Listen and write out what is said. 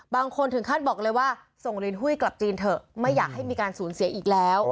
บางคนถึงขั้นบอกเลยว่าส่งลินหุ้ยกลับจีนเถอะไม่อยากให้มีการสูญเสียอีกแล้ว